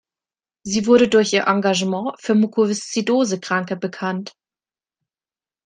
Sie wurde durch ihr Engagement für Mukoviszidose-Kranke bekannt.